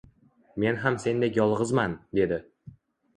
«Men ham sendek yolg’izman…» – dedi.